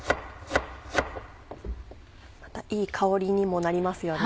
またいい香りにもなりますよね。